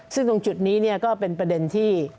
ซึ่งตรงจุดนี้ก็เป็นประเด็นที่